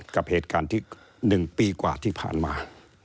กับเหตุการณ์ที่๑ปีกว่าที่ผ่านมา